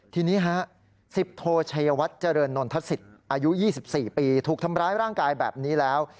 ทีนี้ฮะ๑๐โทชัยวัดเจริญนนทศิษย์อายุ๒๔ปีถูกทำร้ายร่างกายแบบนี้แล้ว